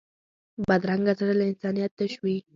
بدرنګه زړه له انسانیت تش وي